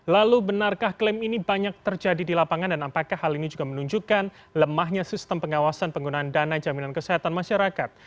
lalu benarkah klaim ini banyak terjadi di lapangan dan apakah hal ini juga menunjukkan lemahnya sistem pengawasan penggunaan dana jaminan kesehatan masyarakat